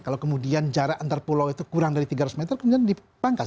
kalau kemudian jarak antar pulau itu kurang dari tiga ratus meter kemudian dipangkas